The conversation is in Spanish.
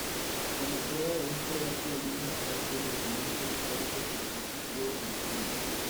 Como prueba de esto, he aquí algunos extractos de documentos históricos con contenido indiscutible.